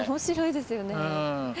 面白いですよね。